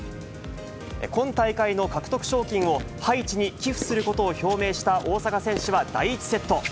今大会の獲得賞金をハイチに寄付することを表明した大坂選手は第１セット。